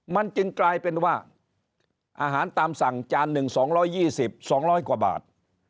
มันจึงกลายเป็นว่าอาหารตามสั่งจาน๑๒๒๐๒๐๐กว่าบาท